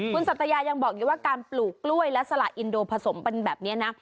คุณสัตยายังบอกอยู่ว่าการปลูกกล้วยและสละอินโดผสมเป็นแบบนี้นะ